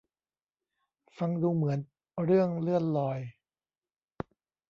ฟังดูเหมือนเรื่องเลื่อนลอย